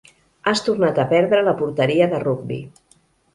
Has tornat a perdre la porteria de rugbi.